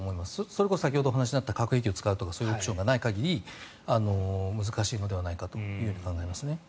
それこそ先ほど話にあった核兵器を使うというオプションでもない限り難しいのではないかと思いますね。